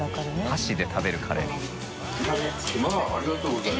箸で食べるカレー。